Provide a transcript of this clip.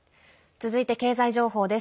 続いて経済情報です。